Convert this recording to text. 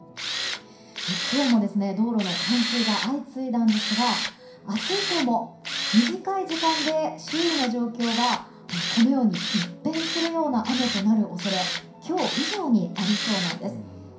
今日も道路の冠水が相次いだんですが明日以降も短い時間で周囲の状況がこのように一変するような雨となる恐れが今日以上にありそうなんです。